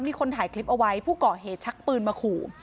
มีคนถ่ายคลิปเอาไว้ผู้ก่อเหตุชักปืนมาขู่